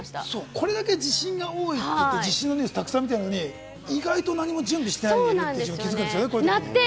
これだけ地震が多いって言って、ニュースも沢山見てるのに意外と何も準備していないことに気づくんですよね。